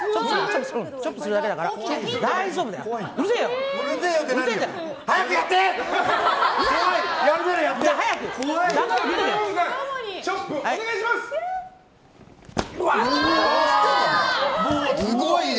チョップするだけだから大丈夫だよ。